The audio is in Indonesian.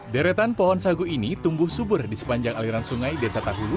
deretan pohon sagu ini tumbuh subur di sepanjang aliran sungai desa tahulu